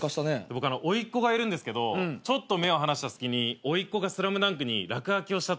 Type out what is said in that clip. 僕おいがいるんですけどちょっと目を離した隙においっ子が『ＳＬＡＭＤＵＮＫ』に落書きをしちゃってね。